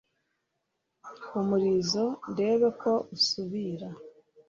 umurizo ndebe ko asubira